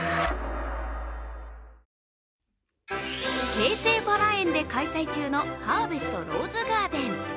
京成バラ園で開催中のハーベストローズガーデン。